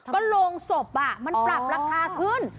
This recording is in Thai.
ก็โรงศพมันปรับราคาขึ้น